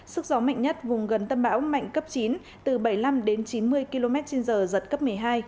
sức gió mạnh nhất vùng gần tâm áp thấp nhiệt đới mạnh cấp chín từ bảy mươi năm đến chín mươi km trên giờ giật cấp một mươi hai